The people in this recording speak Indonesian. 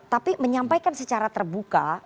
tapi menyampaikan secara terbuka